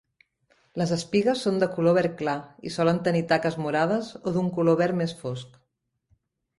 Les espigues són de color verd clar i solen tenir taques morades o d'un color verd més fosc.